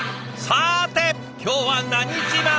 さて今日は何自慢？